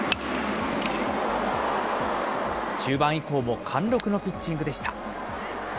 中盤以降も貫禄のピッチングでした。